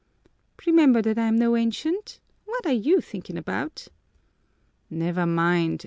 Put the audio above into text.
_" "Remember that I'm no ancient! What are you thinking about?" "Never mind!